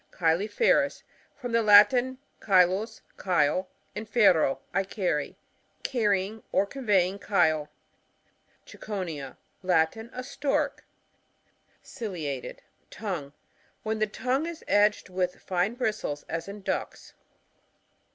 CiiYUFEROos.— From the Latin, cAy /u», chyle, aud/ero, I carry. Carry ing or conveying chyle. CicoNiA. — Latin. A Stork. Ciliated (tongue) — Wht n the tongue is edged with fine bristles, as in ducks.